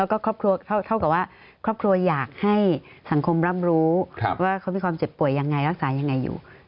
แล้วก็ครอบครัวเท่ากับว่าครอบครัวอยากให้สังคมรับรู้ว่าเขามีความเจ็บป่วยยังไงรักษายังไงอยู่